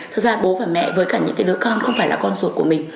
thực ra bố và mẹ với cả những cái đứa con không phải là con ruột của mình